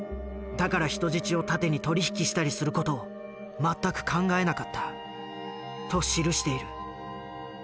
だから人質を盾に取り引きしたりする事を全く考えなかったと記している。